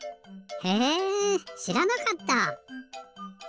へえしらなかった！